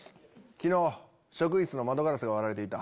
昨日職員室の窓ガラスが割られていた。